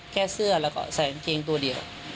แล้วก็แสงเกงตัวเดียว